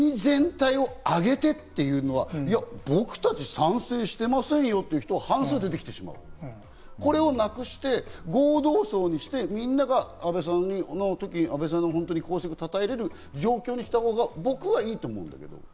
国全体をあげてというのは僕たち賛成してませんよという人は半数出てきてしまう、これを無くして合同葬にして、みんなが安倍さんの功績を本当にたたえられる状況にしたほうが僕はいいと思う。